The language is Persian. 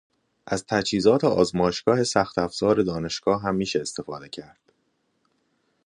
از تجهیزات آزمایشگاه سخت افزار دانشگاه هم میشه استفاده کرد